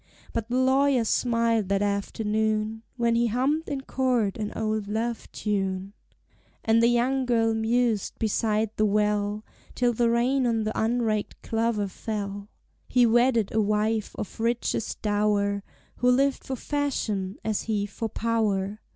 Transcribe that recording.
But the lawyers smiled that afternoon, When he hummed in court an old love tune; And the young girl mused beside the well, Till the rain on the unraked clover fell. He wedded a wife of richest dower, Who lived for fashion, as he for power.